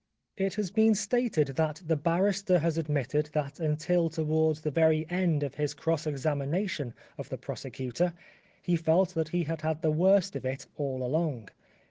It has been stated that the barrister has admitted that until towards the very end of his cross 115 The Life of Oscar Wilde examination of the prosecutor he felt that he had had the worst of it all along.